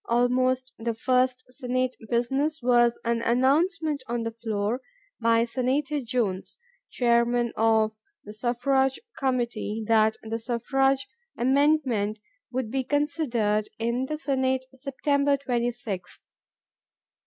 Almost the first Senate business was an announcement on the floor by Senator Jones, Chairman of the Suffrage Committee, that the suffrage amendment would be considered in the Senate September 26th.